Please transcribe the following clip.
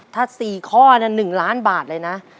ถ้า๔ข้อ๑๐๐๐๐๐๐บาทเลยนะ